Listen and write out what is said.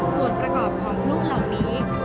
ส่วนประกอบของพลุเหล่านี้